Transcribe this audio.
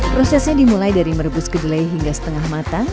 prosesnya dimulai dari merebus kedelai hingga setengah matang